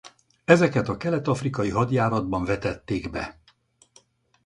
Ezeket a kelet-afrikai hadjáratban vetették be.